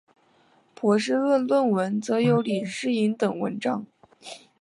博硕士论文则有李诗莹等文章。